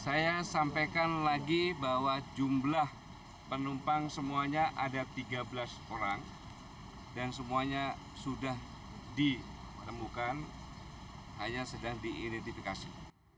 saya sampaikan lagi bahwa jumlah penumpang semuanya ada tiga belas orang dan semuanya sudah ditemukan hanya sedang diidentifikasi